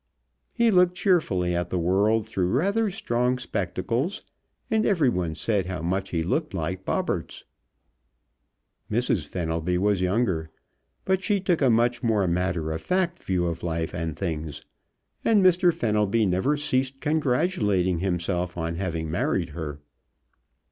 He looked cheerfully at the world through rather strong spectacles, and everyone said how much he looked like Bobberts. Mrs. Fenelby was younger, but she took a much more matter of fact view of life and things, and Mr. Fenelby never ceased congratulating himself on having married her.